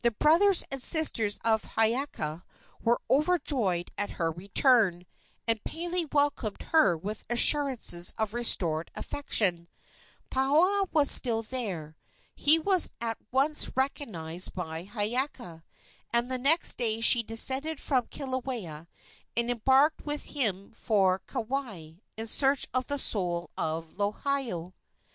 The brothers and sisters of Hiiaka were overjoyed at her return, and Pele welcomed her with assurances of restored affection. Paoa was still there. He was at once recognized by Hiiaka, and the next day she descended from Kilauea and embarked with him for Kauai in search of the soul of Lohiau.